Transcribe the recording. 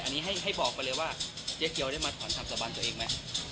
อันนี้ให้บอกไปเลยว่าเจ๊เกียวได้มาถอนคำสาบันตัวเองไหม